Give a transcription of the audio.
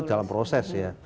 iso dalam proses ya